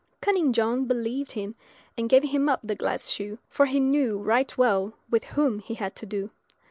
Cunning John believed him, and gave him up the glass shoe, for he knew right well with whom he had to do.